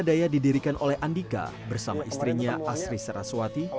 agradaya didirikan oleh andika bersama istrinya asri saraswati